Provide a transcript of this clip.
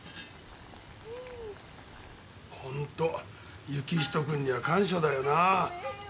ほんと行人君には感謝だよな。